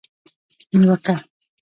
نیوکه